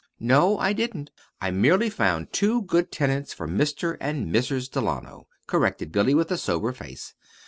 "No, I didn't. I merely found two good tenants for Mr. and Mrs. Delano," corrected Billy, with a sober face.